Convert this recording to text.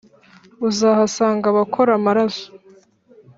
Uzahasanga abakoramaraso